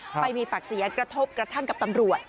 ไปมีปากเสียงกระทบกระทั่งกับตำรวจ